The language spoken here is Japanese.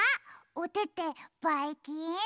おててばいきん？